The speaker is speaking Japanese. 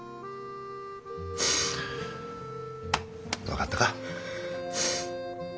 分かったか。